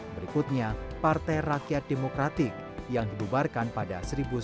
berikutnya partai rakyat demokratik yang dibubarkan pada seribu sembilan ratus sembilan puluh